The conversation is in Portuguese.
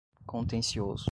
contencioso